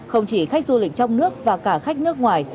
không chỉ khách du lịch trong nước và cả khách nước ngoài